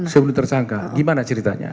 sebelum tersangka gimana ceritanya